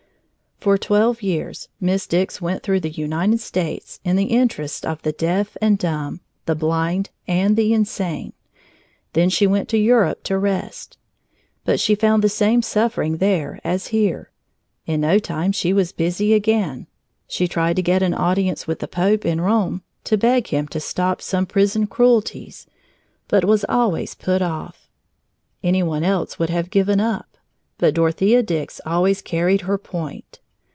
For twelve years Miss Dix went through the United States in the interests of the deaf and dumb, the blind, and the insane. Then she went to Europe to rest. But she found the same suffering there as here. In no time she was busy again. She tried to get audience with the Pope in Rome to beg him to stop some prison cruelties but was always put off. Any one else would have given up, but Dorothea Dix always carried her point.